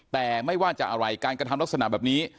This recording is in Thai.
แต่ไม่ว่าจะอะไรการกระทำลักษณะแบบนี้